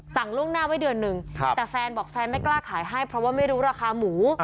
ล่วงหน้าไว้เดือนหนึ่งแต่แฟนบอกแฟนไม่กล้าขายให้เพราะว่าไม่รู้ราคาหมู